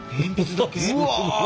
うわ！